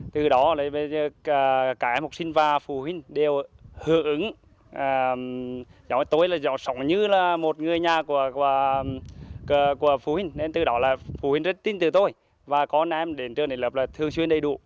từ đó là phụ huynh rất tin tưởng tôi và con em đến trường này lập lật thường xuyên đầy đủ